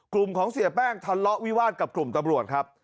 กลุ่มของเสียแป้งทะเลาะวิวาสกับกลุ่มตำรวจครับ